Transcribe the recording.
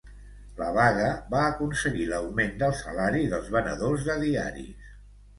La vaga va aconseguir l'augment del salari dels venedors de diaris.